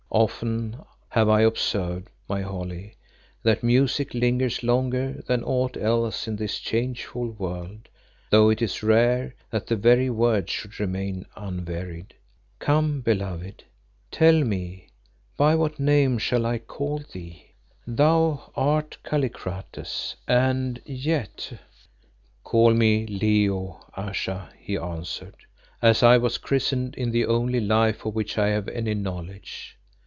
Often have I observed, my Holly, that music lingers longer than aught else in this changeful world, though it is rare that the very words should remain unvaried. Come, beloved tell me, by what name shall I call thee? Thou art Kallikrates and yet " "Call me Leo, Ayesha," he answered, "as I was christened in the only life of which I have any knowledge.